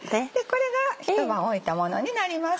これが一晩置いたものになります。